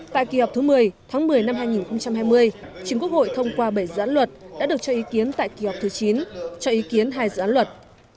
tại kỳ họp thứ một mươi tháng một mươi năm hai nghìn hai mươi chính quốc hội thông qua bảy dự án luật đã được cho ý kiến tại kỳ họp thứ chín cho ý kiến hai dự án luật